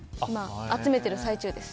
集めている最中です。